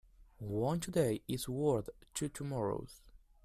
One today is worth two tomorrows.